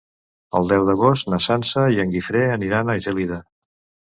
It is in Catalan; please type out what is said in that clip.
El deu d'agost na Sança i en Guifré aniran a Gelida.